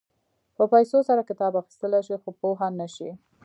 په پیسو سره کتاب اخيستلی شې خو پوهه نه شې.